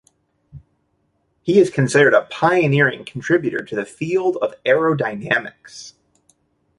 He is considered a pioneering contributor to the field of Aerodynamics.